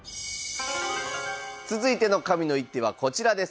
続いての神の一手はこちらです。